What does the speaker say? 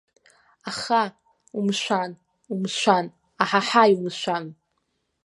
Аха, умшәан, умшәан, аҳаҳаи умшәан.